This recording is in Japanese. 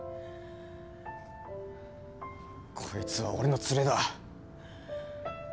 こいつは俺のツレだ。